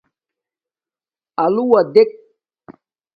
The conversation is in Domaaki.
آلݸ وݳ دݵک.